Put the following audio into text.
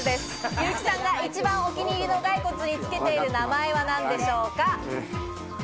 優木さんが一番お気に入りのガイコツに付けている名前は何でしょうか？